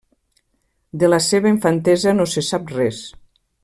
De la seva infantesa no se sap res.